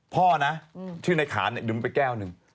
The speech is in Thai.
พ่อชื่อในขานดื่มไปแก้วหนึ่ง